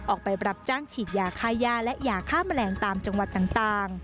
ออกไปรับจ้างฉีดยาค่าย่าและยาฆ่าแมลงตามจังหวัดต่าง